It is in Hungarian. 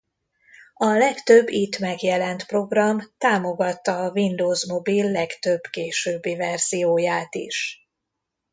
A legtöbb itt megjelent program támogatta a Windows Mobile legtöbb későbbi verzióját is.